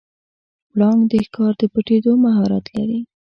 پړانګ د ښکار د پټیدو مهارت لري.